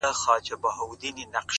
• هغه دي مړه سي زموږ نه دي په كار،